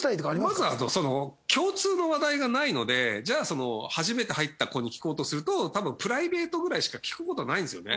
まずは共通の話題がないのでじゃあ初めて入った子に聞こうとすると多分プライベートぐらいしか聞く事ないんですよね。